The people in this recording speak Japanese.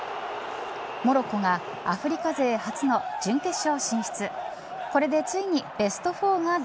モロッコがアフリカ勢初となる準決勝進出。